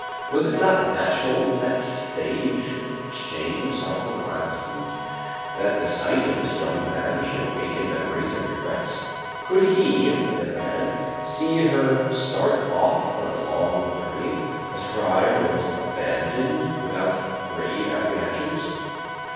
Was it not natural that they should exchange sorrowful glances, that the sight of this young man should awaken memories and regrets? Could he, on the other hand, see her start off on a long journey, proscribed and almost abandoned, without grave apprehensions?